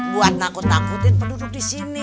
buat nangkut nangkutin penduduk di sini